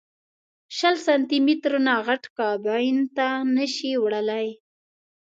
شل سانتي مترو نه غټ کابین ته نه شې وړلی.